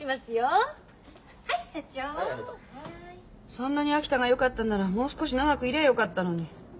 そんなに秋田がよかったんならもう少し長くいりゃよかったのに。